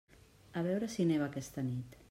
A veure si neva aquesta nit.